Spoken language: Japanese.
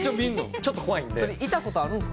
ちょっと怖いんで。